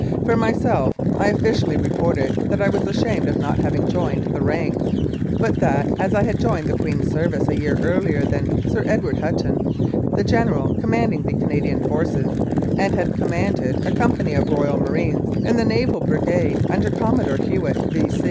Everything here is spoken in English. For myself, I officially re ported that I was ashamed of not having joined the ranks, but that, as I had joined the Queen's service a year earlier than Sir Edward Hutton, the General com manding the Canadian Forces, and had commanded a company of Royal Marines in the Naval Brigade under Commodore Hewitt, V.